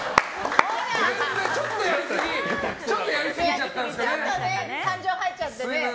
ちょっとちょっと感情入っちゃってね。